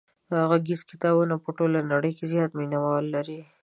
غږیز کتابونه په ټوله نړۍ کې زیات مینوال لري.